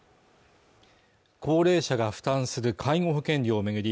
高齢者が負担する介護保険料を巡り